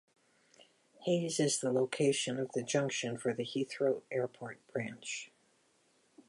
Hayes is the location of the junction for the Heathrow Airport branch.